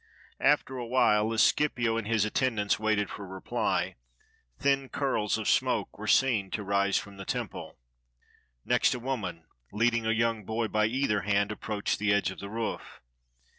After a while, as Scipio and his attendants waited for a reply, thin curls of smoke were seen to rise from the temple. Next a woman, leading a young boy by either hand, approached the edge of the roof.